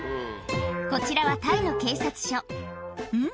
こちらはタイの警察署うん？